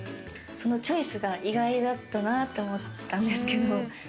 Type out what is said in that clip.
そのチョイスが意外だったなって思ったんですけど。